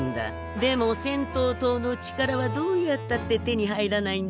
でも先頭糖の力はどうやったって手に入らないんだよ。